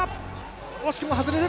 惜しくも外れる！